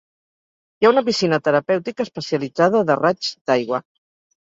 Hi ha una piscina terapèutica especialitzada de raigs d'aigua.